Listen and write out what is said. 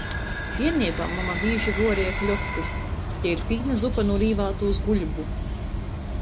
Bierneibā mama bīži vuoreja kļockys, tei ir pīna zupa nu rīvātūs buļbu.